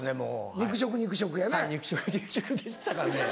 肉食肉食でしたかね？